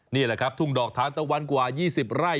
นี่แหละครับทุ่งดอกทานตะวันกว่า๒๐ไร่